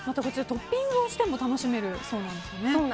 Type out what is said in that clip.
トッピングをしても楽しめるそうなんですね。